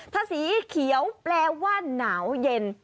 ถ้าสีเขียวแปลว่าหนาวเย็น